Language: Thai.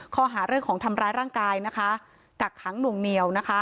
ข้อหาเรื่องของทำร้ายร่างกายกักขังหนวงเหนียว